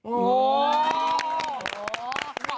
โอ้โห